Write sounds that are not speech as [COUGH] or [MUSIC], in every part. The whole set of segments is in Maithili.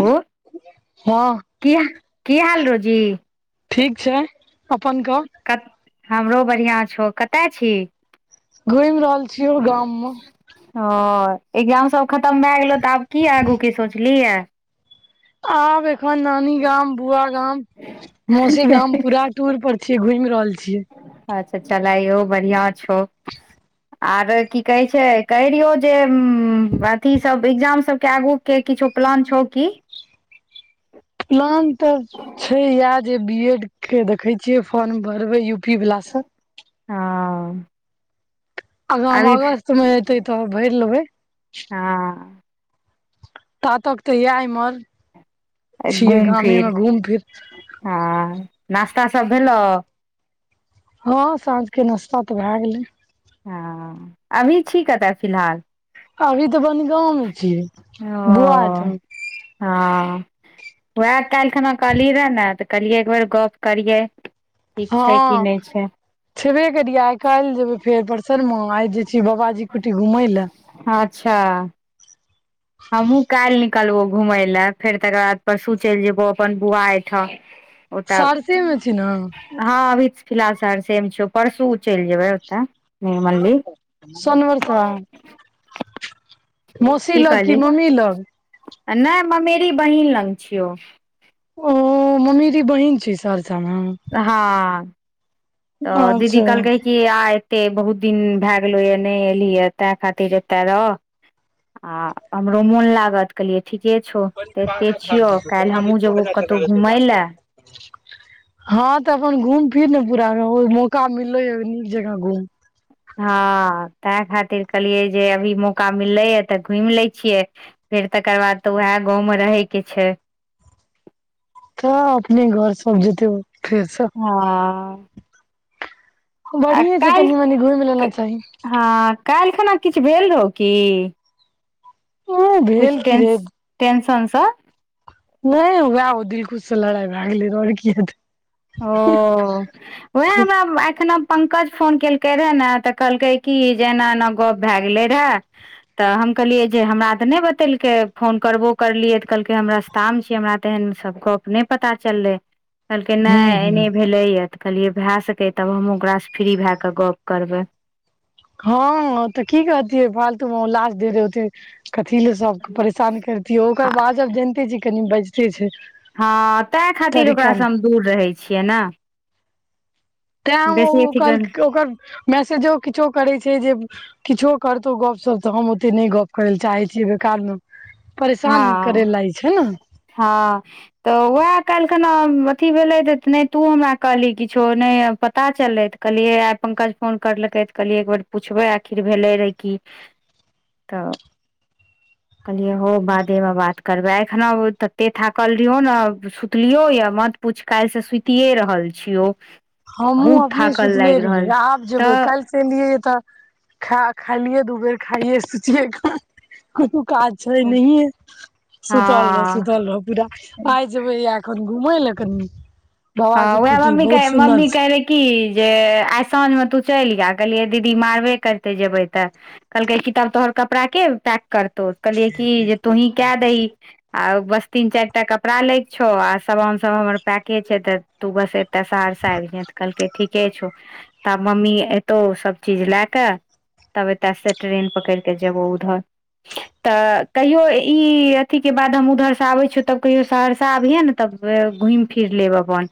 हेलो हँ क की हाल रोजी ठीक छै अपन कह क हमरो बढ़िआँ छौ कतय छी घुमि रहल छियौ गाम मे हँ एग्जाम सब खतम भए गेलो तऽ आब की आगूके सोचलिहि यै आब एखन नानी गाम बुआ गाम मौसी गाम पूरा टूर पर छी घुमि रहल छियै अच्छा चल ईहो बढ़िया छौ आर की कहै छै कहि रियौ जे उम्म अथी सब एग्जाम सब के आगू के किछु प्लान छौ की प्लान तऽ छै फोरम भरबै यू पी वालासँ हँ अगम अभी अगस्तमे एतै तऽ भैर लेबै हँ ता तक तऽ आ इम्हर [INAUDIBLE] छियै घूम गामे फिर मे घूम फिर हँ अ नाश्ता सभ भेलहु हँ साँझके नाश्ता तऽ भए गेलै हँ अभी छी कतय फिलहाल अभी त बनगांव मे छियै बौआ ओ ठाम हँ उएह काल्हि खना कहलियै रहए ने तऽ कहलियै एक बेेर गप करियै ठीक छै कि नहि छै करिये आइ काल्हि जेबै फेर दरसन मे आइ जाइ छी बाबाजी कुटी घुमय लए अह [INAUDIBLE] हमहूँ काल्हि निकलबहु घुमय लए फेर तकर बाद परसू चलि जेयबौ अपन बौआ एहिठाम ओ त सहरसे मे छी ने हँ अभी फिलहाल शहर सेम छौ परसू चलि जेबै ओतऽ निर्मली सोनवर्षा मौसी लग की मम्मी लग नहि ममेरी बहिन लग छियौ ओ ममेरी बहिन छै सर हँ तऽ दीदी अच्छा कहलकै कि आइ एते बहुत दिन भए गेलो या नहि एली ताहि खातिर एते रह आ हमरो मोन लागत कहलियै ठीके छौ तऽ एते छियौ काल्हि हमहुँ जेबौ कतहु घुमय लए हँ तऽ अपन घूम फिर ने पूरा मौका मिललोये नीक जेका घूम ह तेँ खातिर कहलियै जे अभी मौका मिललैए तऽ घुमि लै छियै फेर तकर बाद तऽ उएह गाँवमे रहयके छै तऽ अपने घर सब जेते फेरस हँ आ घुमि लेना काल्हि चाही हँ काल्हि खुना किछु भेल रहौ की ओ किछ भेल की टें रे टेंशनस सब नहि उएह ओ दिलकुश से लड़ाई भए गेलै आओर की हेतै ओ उएह हमरा एखन पंकज फोन केलकै रहे ने तऽ कहलकै की जे एना एना गप भए गेलै रहे तऽ हम कहलियै जे हमरा तऽ नहि बतेलकै फोन करबो करलियै तऽ कहलकै हम रास्ता मे छी हमरा तऽ एहन सब गप नहि पता चललै कहलकै हूँ नहि हूँ एने भेले यै तऽ कहलियै भए सकै तब हमहूँ ओकरासँ फ्री भए कऽ गप्प करबै हँ तऽ की कहतियै फालतूमे ओते लास्ट डेट रहय कथी लए सबके परेशान करितियै ओकर बाजब आब जानिते छी कनि बाजिते छै हँ तेँ खातिर तरीका ओकरासँ मे हम दूर रहय छियै ने तेँ ओ बेसी ओ अथी कहल कर ओकर मैसेजो किछो करय छै जे किछो करतौ गपसप तऽ हम ओते नहि गप्प करै लए चाहै छियै बेकार में हँ हँ त वएह कल अथी भेलै नहि तू हमरा कहली किछो नहि पता चलै कहल आय पंकज फोन करलकै तऽ कहलियै एक बेेर पुछबै आखिर भेलै रहै कि तऽ कहलियए हो बादेमे बात करबै एखन तते थाकल रहिय ने सुतलियौ यऽ मत पूछ काल्हिसँ सुतिए रहल छीयो हमहूँ अपने सुतले रहियै आब जेबै तऽ काल्हिसँ एलियै तऽ खा खालियए दू बेर खाइयै सोचियै काज छै नहिये सुतल रह हँ सुतल रह पूरा आइ जेबे यै एखन घुमे लए कनि हँ बाबाजी उएह कुटी मम्मी कह बहुत सु मम्मी कहे रहे की जे आइ साँझ में तू चलि गेल कहलियै दीदी मारबे करते जेबे तऽ कहलकै कि तब तोहर कपड़ा के पैक कर तो कहलियै कि जे तूहीं कए दहिं आ बस तीन चार टा कपड़ा लै के छौ आ समान सब हमर पैके छै तऽ तू बस एते सहरसा आबि हैं तऽ कहलकै ठीके छौ तऽ मम्मी एतौ सब चीज ले कै तब एतय से ट्रेन पकड़िके जबो उधर तऽ कहियो ई अथी के बाद हम उधरसँ आबै छियै तब कहियो सहरसा आबिये ने तब घुमि फिर लेब अपन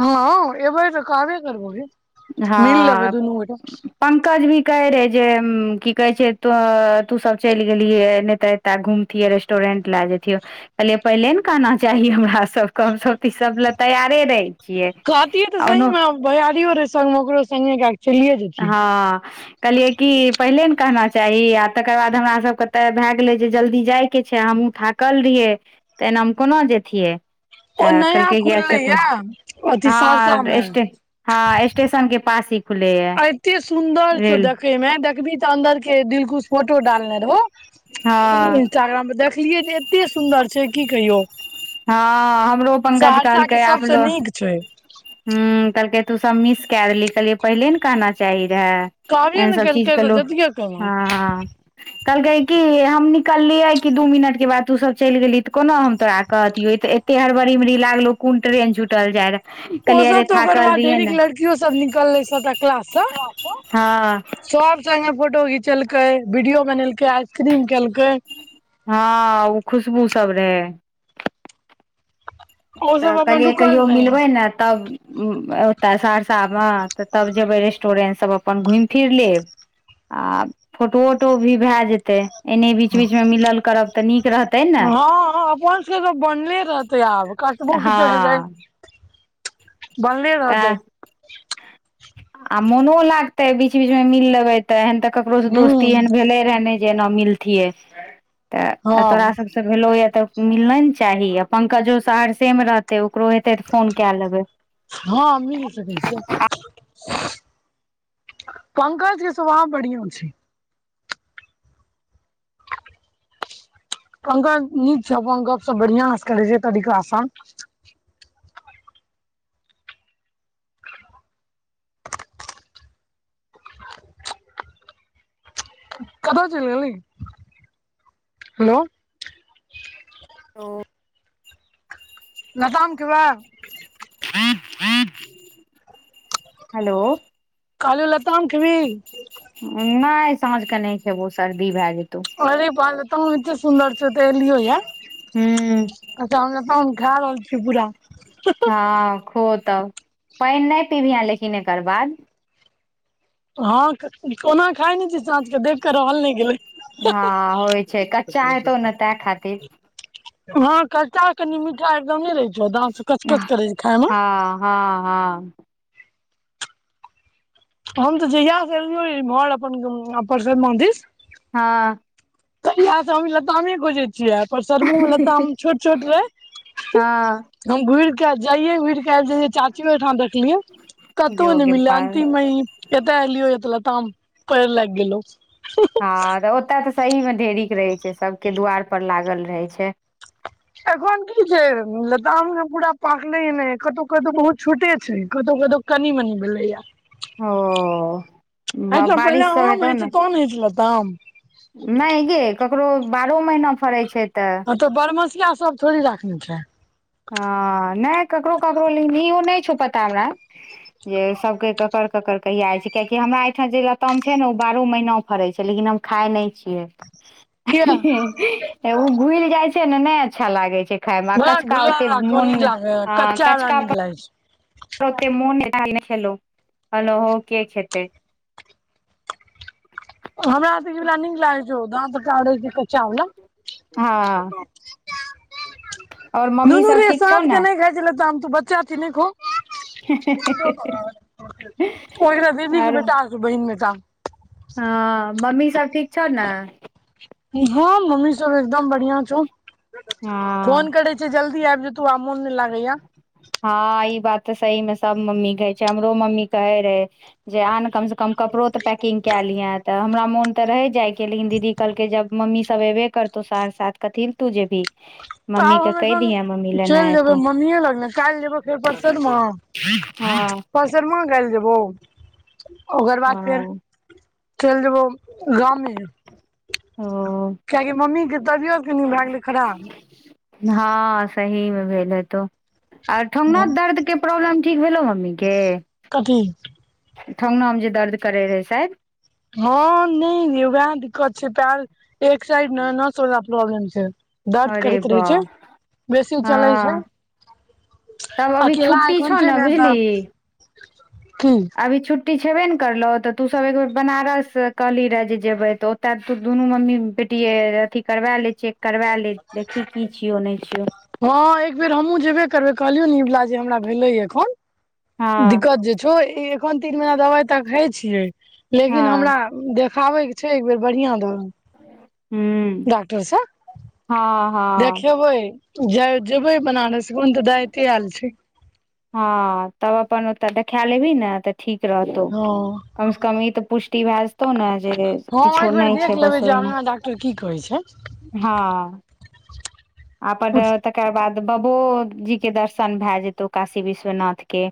हँ एबई त कहबे करबो गे मिल लेबै दूनू गोटा कहे रहय जे की कहे छै तो तू सब चलि गेलिये ने तऽ ए घुमतिये रेस्टोरेंट पेंट पहले ना कहना चाहिए हमरा सब केँ हम सब त कम ले तैयार कहतीऐ तऽ सही मे भयारी हो रहै संगमे ओकरो संगे चलिये जैतियै हँ कहलियए की पहिले ने कहना चाही आ तकर बाद हमरा सबकेँ तऽ भए गेलय जे जल्दी जाय केँ छै हम थाकल रहियै तऽ एनामे कोना जेथियै ओ तऽ नया कहलकै खुललै गकुन या अथी सहरसा हँ मे स्टेशन हँ स्टेशन कें पास ही खुले है एते सुन्दर छौ रेल देखे मे देखबही तऽ अन्दर केँ दिलकुश फोटो डालने रहौ हँ इंस्टाग्राम पर देखलियै जे एते सुन्दर छै की कहियौ हँ हमरो पंकज सहरसा कहलकय के सबसे ह नीक छै कहलकै तु सब मिस क देली कले पहिले ने कहना चाही कहबे एन ने सब चीज केलकै तऽ कलो जतियै केना हँ कहलकेँ की हम निकललिये की दू मिनट केँ बाद तू सब चलि गेली त कोना हम तोरा कहतियो ते एते हड़बरीमरी रहि जे लाड़लों कोन ट्रेन छुटल जाय रहो ओसभ तऽ ओकर बाद ढेरिक लड़कियोसभ निकललै छै क्लाससँ हँ सब संगे फोटो घीच केलकै वीडियो बनेलकै आइसक्रीम खेलकय हँ ओ खुशबू सब रहय ओ तऽ सब अपन कहलियै रुकल कहियो रहै मिलबै ने तब ओतय सहरसामे तऽ तब जेबै रेस्टोरेंट सभ अपन घुमि फिरि लेब आ फोटो वटो भी भाए जेतै एने बीच बीचमे मिलल करब तऽ नीक रहतै ने तब कटबो हँ किछू है त इ बनलै रहत इ मनो लागते बीच बीच मे मिल लेबय तऽ एहन तऽ ककरो से हूँ दोस्ती एहन भेले रहय न इ जेना मिलतियए तऽ हँ तोरा सबसे भेलौ यऽ तऽ मिलना ने चाही आ पंकजो सहरसेमे रहतय ओकरो हेतै तऽ फोन कए लेबै हँ मिल सकैत छिय पंकज केँ स्वभाव बढ़ीए छि [INAUDIBLE] आ पंकज नीक छै अपनगप सप बढ़िआँसँ करै छै तरीका आसान कतऽ चल गेली हेलो [UNINTELLIGIBLE] तऽ लताम केँ बाग ह ह [UNINTELLIGIBLE] हेलौ कहलियौ लताम खेबही नहि साँझ केँ नहि खेबो सर्दी भए जेतौ अरे पात एते सुन्दर छ त एलियौ या हू त हम लताम खा रहल छियौक पूरा हँ खो तब पानि नहि पिबिहे लेकिन एकर बाद हँ क ओना खाय नहि छै साँझ केंँ देख क रहल नहि गेलय हँ होइ छै कच्चा हेतौ ने ताहि खातिर हँ कच्चा कनि मिठा एकदम ने रहै छै जो दाॅत सँ कच हँ कच करैत छै खायमे हँ हँ हम तऽ जहियासँ से एलियो इम्हर अपन परसद मधि हँ तहिया से हम इ लतामे खोजइत छिय इ परसर मे लताम छोट छोट रहय हँ हम घुर केँ जाइये घ काल गेल इ चाचियो ओहिठाम देखलियै कतहु नहि जोगे मिलले पागल अंतिम मे एतऽ एलियो ताम करर लागि गेल अछि हँ तऽ ओतय तऽ सहीमे ढेरिक रहै छै सभके दुआरपर लागल रहै छै एखन की छै लताम के पूरा पाकले नहि कतहु कतहु बहुत छोटे छै कतहु कतउ कनि मनि भेलय या ओ ब- अहिस पहिले बारिश सब आम हेतौ होइ ने छै त न होेइ छैय लताम नहि गे ककरो बारहो महीना फड़ै छै हँ तऽ बरमसिया सब थोड़ी रखने छै हँ नहि ककरो ककरो लो नहि छौ पता हमरा जे सबके ककर ककरड़ कहियइ छै कियाकि हमरा एहिठाम जे लताम छै ने ओ बारहो महीना फड़े छै लेकिन हम खाय नहि छियै किया ओ घुलि जाइ छै ने नहि अच्छा लागै छै खायमे आ बड़ा कच्चा अत बरमसिया सब गुलाब जोड़ी राखो नीक लागे है, राखने कच्चा वला छै नीक लागे के खेतै [INAUDIBLE] जो त च क क चावला हँ और मम्मी नुनु सब रे ठीक छौ साँझ के नहि खाइ छ इ लताम तू बच्चा छहि नहि खो ह ओ एकरा ददी के आर बेटा बहिन मे काम हँ मम्मी सब ठीक छौ ने हँ मम्मी सब एकदम बढ़ििया छौ फोन हँ करै छै जल्दी आबि जतौ त आमोन नहि लागैया हँ ई बात तऽ सही मे सब मम्मी कहे छै हमरो मम्मी कहे रहे जे आन कम से कम कम कपड़ो त पैकिंग कए लिय तऽ हमरा मोन तऽ रहै जाइके लेकिन दीदी कहलकै जब मम्मी सब अयबे करतौ से साथ कथी ल तू ज जेबही तऽ मम्मी आब के हम कहि एखन दिहे मम्मी लेने चल जेबै एतौ मम्मी लगने काल्हि जेबो फेर परसनमा हँ परसनमा काल्हि जेबौ ओकर बाद फेर हँ चल जेबौ गाममे ओ कियकि मम्मीे तबियत कनि भए गेलै खराब हँ सही मे भेल हे तो आर ठङ्गनामे न दर्द के प्रॉब्लम ठीक भेलेलो मम्मीे कथी ठङ्गनामे जे दर्द करैत रहै शायद हँ नहि वएह दिक्कत छै प एक साइड न सोला प्रॉ्लम छै दर्द अरे करैत रहै छै वाह! बेसी चलै छै हँ, तब अभी अकेला छुट्टी छौ एखन छै ने तऽ की आी छुटी छुट्टी छेबे ने करलहु तऽ तू सब एक बेर बनारस कहली रहय जे जेबे तऽ ओत तू दुनू मम्मी अथी करबा लै छियै करबा ले देखी की छियौ नहि छियौ कहलियो न निवला जे हमरा भेले एखन हँ दिक्कत जे छौ खन तीन महना दवाइ तऽ खााय छियै लेकिन हँ हमरा खाबै के छै एक बेेर बढ़िआं दह हुं डाक्टरसँ हँ हँ देखेबै जा जेबै बनारस कोन तऽ दिते आयल छै हँ तब अपन ओतऽ देखाए लेबही ने तऽ ठीक रहतौ हँ कमसँ कम ई तऽ पुष्टिभास तौ ने जे हँ किछो एक बेर नहि देख छै बस लेबै जे ओहिना आगा डॉक्टर की कहै छै हँ आ पर तकर बाद बाबो जीके दर्शन भए जेतौ काशी विश्वनाथके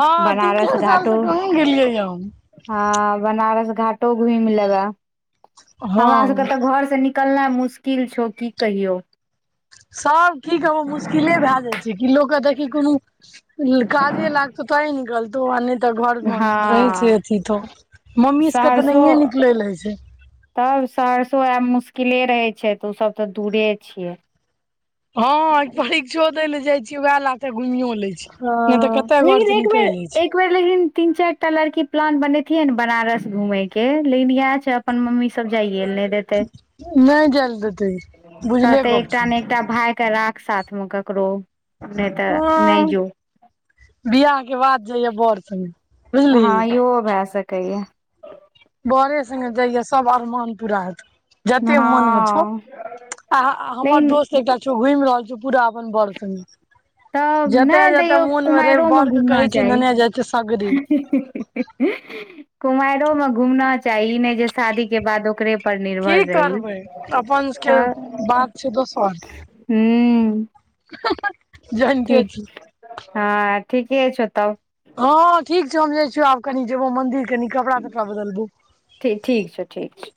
के तीन बनारस चारि साल घाटो से कहाँ गेलियै य हम हँ बनारस घाटो घुम लेब हमरा सब के हँ त घर से न निकलनाइ मुश्किल छौ की कहियौ सभ की कहब मुश्किले भए जाइ छै कि लोककेँ देखी कोनो काजे लागत तैं निकलतौ तऽ घर मे रहै छै हँ अथी तो मम्मी सब के तऽ सहरसो नहिये निकलल हइ छै तब सहरसो आयब मुश्किले रहै छै तूं सब तऽ दूरे छियै हँ परीक्षो दै लेल जाइ छियै वएह ल ह लेकिन से एक निकलि जाइ छै बेर एक बेर लेकिन तीन चार टा लड़की प्लान बनेत बनारस घूमे के लेकिन यैह छै अपन मम्मी सब जाइएल नहि देते नहि जाय लए देतै बुझले कहते गप एकटा छौ ने एकटा भाय के राख साथ मे ककरो नहि तऽ नहि जो बिआह के बाद जहियें बर संगे हँ बुझलिही यो भए सकैयै बर संगे जाइय हैं सब आरमान पूरा हेतौ जते मन मे छौ हँ आ हमर लेकिन दोस्त एकटा छौ घुमि रहल छौ पूरा अपन बर संगे तऽ जते नहि जते तैयो मोन रहे कुमारिओ मे बर के घूमना कहै छै चाही नेने जाइ छै सगरे कुमारि ओ मे घुमना चाही ई नहि जे शादी के बाद ओकरे पर निर्भर की रही करबै अपन सबके त बात छै ह हा हा ठीक हँ ठीके छौ तब हँ ठीक छौ हम जाइ छिय आब कनि जेबो मंदिर कनि कपड़ा तपड़ा बदलबो अच्छा ठीक छै